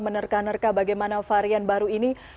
menerka nerka bagaimana varian baru ini